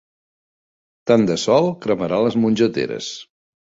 Tant de sol cremarà les mongeteres.